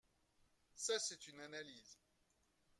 Ça, c’est une analyse